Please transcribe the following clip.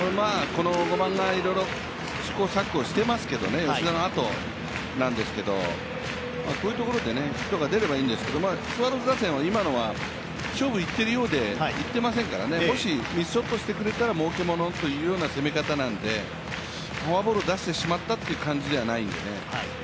この試行錯誤していますけれども、吉田の後ですけれども、こういうところでヒットが出ればいいんですけどスワローズ打線、今のは勝負にいっているようでいっていませんからねもしミスショットしてくれた儲けものという攻め方なのでフォアボールを出してしまったという感じではないので。